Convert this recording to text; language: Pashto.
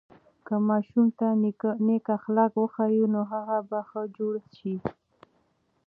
که ماشوم ته نیک اخلاق وښیو، نو هغه به ښه جوړ سي.